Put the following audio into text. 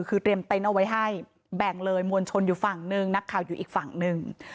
คือเตรียมเต็นต์เอาไว้ให้แบ่งเลยมวลชนอยู่ฝั่งหนึ่งนักข่าวอยู่อีกฝั่งหนึ่ง